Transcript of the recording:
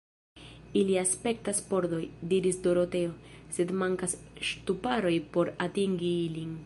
Ili aspektas pordoj, diris Doroteo; sed mankas ŝtuparoj por atingi ilin.